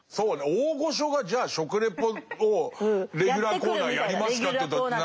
大御所がじゃあ食レポをレギュラーコーナーやりますかというとなかなか。